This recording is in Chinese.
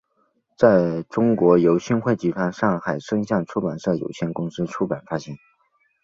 在中国由新汇集团上海声像出版社有限公司出版发行。